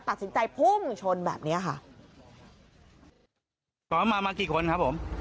ตัดสินใจปุ้งชนแบบเนี่ยค่ะ